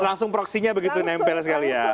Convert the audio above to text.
langsung proksinya begitu nempel sekali ya